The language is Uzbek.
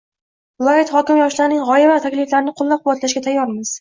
Viloyat hokimi: yoshlarning g‘oya va takliflarini qo‘llab-quvvatlashga tayyormiz